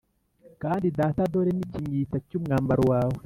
Kandi data, dore n’ikinyita cy’umwambaro wawe